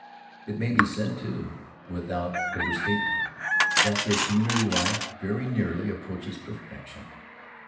It may be said, too, without overstatement, that their community life very nearly approaches perfection.